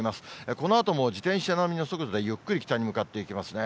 このあとも自転車並みの速度でゆっくり北に向かっていきますね。